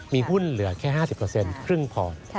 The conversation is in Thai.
มีหุ้นเหลือแค่๕๐ครึ่งพอ